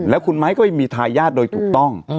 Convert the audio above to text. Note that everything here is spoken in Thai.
แล้วคุณไม้ก็ไม่มีทายาทโดยถูกต้อง